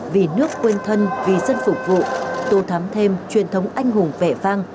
vì nước quên thân vì dân phục vụ tô thắm thêm truyền thống anh hùng vẻ vang